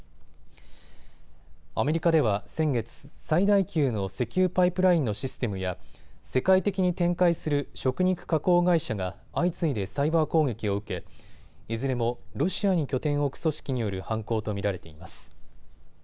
アメリカでは先月、最大級の石油パイプラインのシステムや世界的に展開する食肉加工会社が相次いでサイバー攻撃を受け、いずれもロシアに拠点を置く組織による犯行と見られています。